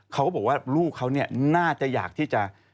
เนี่ยพวกเขาเนี่ยน่าจะอยากที่จะ